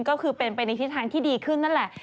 ก็คือเป็นไปในทิศทางที่ดีขึ้นนั่นแหละ